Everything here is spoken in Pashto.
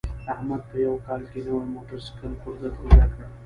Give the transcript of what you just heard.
احمد په یوه کال کې نوی موټرسایکل پرزه پرزه کړ.